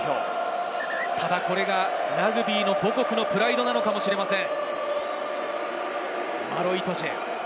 ただ、これがラグビーの母国のプライドなのかもしれません。